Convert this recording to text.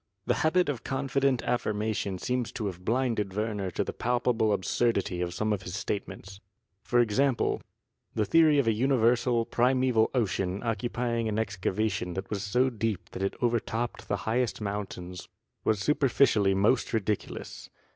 The habit of confident affirmation seems to have blinded Werner to the palpable absurdity of some of his statements. For example, the theory of a universal, primeval ocean occupying an excavation that was so deep that it overtopped the highest mountains was superficially most ridiculous.